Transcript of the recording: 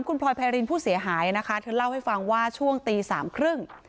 คุณพลอยไพรินผู้เสียหายนะคะเธอเล่าให้ฟังว่าช่วงตีสามครึ่ง